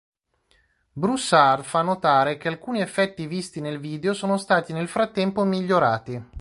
Broussard fa notare che alcuni effetti visti nel video sono stati nel frattempo migliorati.